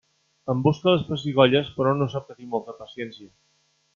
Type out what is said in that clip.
Em busca les pessigolles, però no sap que tinc molta paciència.